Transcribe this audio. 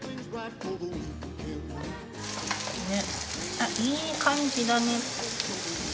あっいい感じだね。